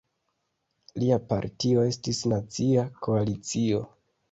Lia partio estis Nacia Koalicio.